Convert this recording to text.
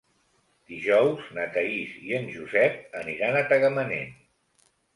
Dijous na Thaís i en Josep aniran a Tagamanent.